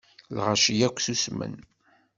Lɣaci akk susmen.